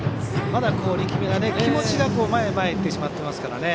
まだ力み、気持ちが前に行ってしまっていますね。